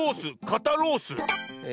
「かたロース」。